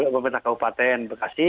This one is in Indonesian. pemerintah kabupaten bekasi